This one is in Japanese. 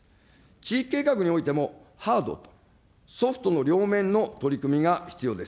地域計画においても、ハード、ソフトの両面の取り組みが必要です。